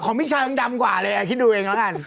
ของพี่ชายมันดำกว่าเลยอ่ะคิดดูเองล่ะครับ